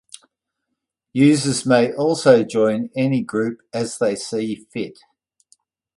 Users may also join any group as they see fit.